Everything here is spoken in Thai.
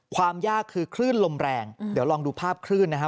ความยากคือคลื่นลมแรงเดี๋ยวลองดูภาพคลื่นนะฮะ